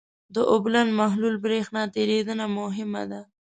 د اوبلن محلول برېښنا تیریدنه مهمه ده.